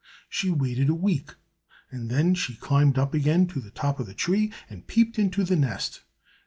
She waited a week, and then she climbed up again to the top of the tree, and peeped into the nest.